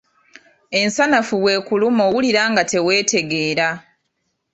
Ensanafu bw'ekuluma owulira nga teweetegeera.